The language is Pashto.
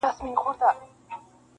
• انسان بايد ځان وپېژني تل,